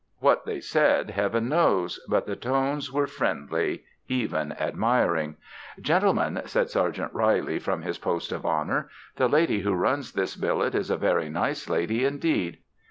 What they said Heaven knows, but the tones were friendly, even admiring. "Gentlemen," said Sergeant Reilly from his post of honor, "the lady who runs this billet is a very nice lady indeed.